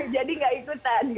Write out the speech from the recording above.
jadi enggak ikutan